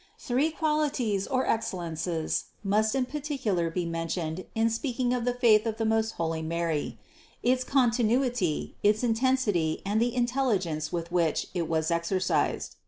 497. Three qualities or excellences must in particular be mentioned in speaking of the faith of the most holy Mary: its continuity, its intensity and the intelligence with which it was exercised.